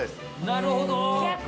なるほど！